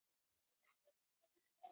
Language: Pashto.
چي څه عقل یې درلودی هغه خام سو